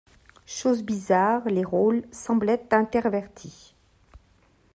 Chose bizarre, les rôles semblaient intervertis.